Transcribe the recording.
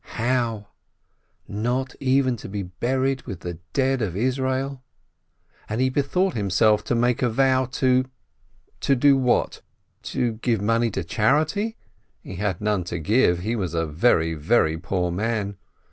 How? Not even to be buried with the dead of Israel? • And he bethought himself to make a vow to — to do what? To give money in charity? He had none to give — he was a very, very poor man!